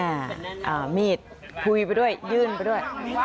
อ่ามีดคุยไปด้วยยื่นไปด้วย